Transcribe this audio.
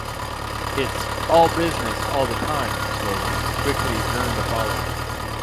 Its "All Business All The Time" slogan quickly earned a following.